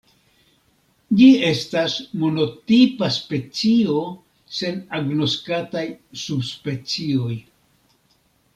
Ĝi estas monotipa specio sen agnoskataj subspecioj.